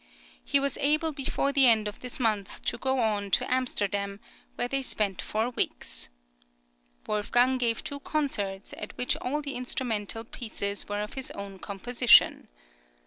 {HOLLAND, 1765 66.} (45) He was able before the end of this month to go on to Amsterdam, where they spent four weeks. Wolfgang gave two concerts at which all the instrumental pieces were of his own composition.